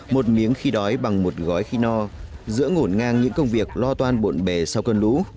một miếng khi đói bằng một gói khi no giữa ngổn ngang những công việc lo toan bộn bề sau cơn lũ